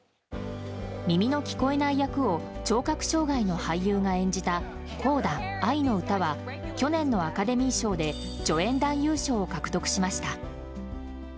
耳の聞こえない役を聴覚障害の俳優が演じた「コーダあいのうた」は去年のアカデミー賞で助演男優賞を獲得しました。